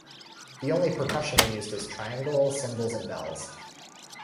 The only percussion used is triangle, cymbals, and bells.